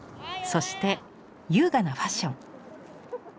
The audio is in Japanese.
そして優雅なファッション。